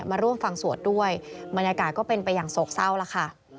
มาร่วมฟังสวดด้วยบรรยากาศก็เป็นไปอย่างโศกเศร้าแล้วค่ะ